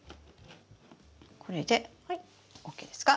これでＯＫですか？